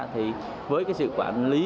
thì với cái sự quản lý